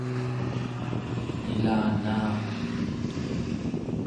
ilanaaraq